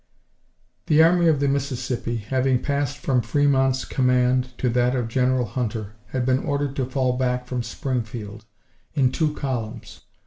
The Army of the Mississippi, having passed from Fremont's command to that of General Hunter, had been ordered to fall back from Springfield, in two columns.